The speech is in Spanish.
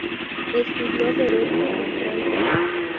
Estudió Derecho en Francia.